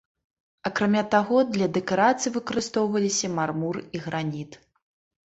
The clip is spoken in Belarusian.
Акрамя таго, для дэкарацый выкарыстоўваліся мармур і граніт.